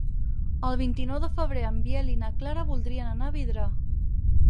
El vint-i-nou de febrer en Biel i na Clara voldrien anar a Vidrà.